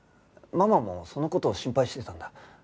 ママもその事を心配してたんだ。